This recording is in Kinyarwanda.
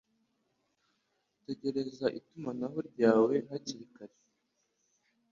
tegereza itumanaho ryawe hakiri kare